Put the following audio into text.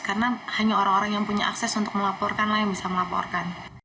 karena hanya orang orang yang punya akses untuk melaporkan lah yang bisa melaporkan